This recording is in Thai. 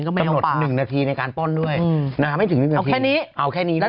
ก็เหมือนเขาคงมาดูหลายรอบแล้วแหละว่า